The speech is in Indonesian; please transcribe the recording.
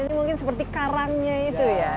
dan ini mungkin seperti karangnya itu ya